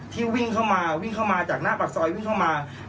วิ่งเข้ามาวิ่งเข้ามาจากหน้าปากซอยวิ่งเข้ามา